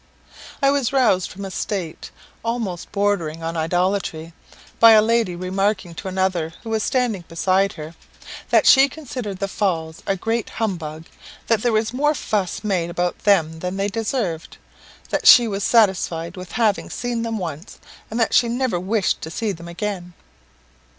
I was roused from a state almost bordering on idolatry by a lady remarking to another, who was standing beside her, "that she considered the Falls a great humbug; that there was more fuss made about them than they deserved; that she was satisfied with having seen them once; and that she never wished to see them again."